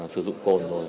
sử dụng cồn rồi